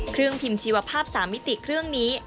เครื่องพิมพ์ชีวภาพ๓มิติเครื่องนี้